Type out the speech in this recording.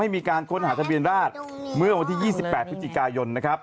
มีการค้นหาทะเบียนราชเมื่อวันที่๒๘พฤศจิกายนนะครับ